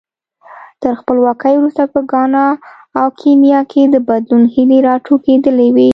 تر خپلواکۍ وروسته په ګانا او کینیا کې د بدلون هیلې راټوکېدلې وې.